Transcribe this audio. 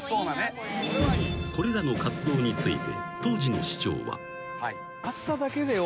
［これらの活動について］